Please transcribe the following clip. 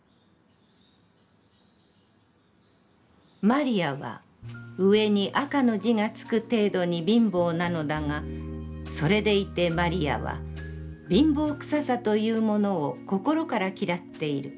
「魔利は上に『赤』の字がつく程度に貧乏なのだが、それでいて魔利は貧乏臭さというものを、心から嫌っている。